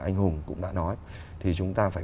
anh hùng cũng đã nói thì chúng ta phải